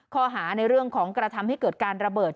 ข้อหาในเรื่องของกระทำให้เกิดการระเบิด